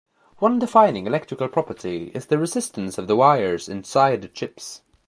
One defining electrical property is the resistance of the wires inside the chips.